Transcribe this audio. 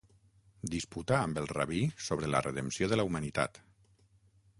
Disputà amb el rabí sobre la redempció de la humanitat.